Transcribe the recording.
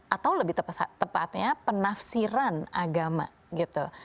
atau lebih tepatnya penafsiran agama gitu